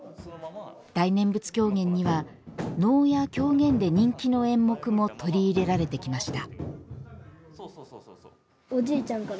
大念仏狂言には能や狂言で人気の演目も取り入れられてきました。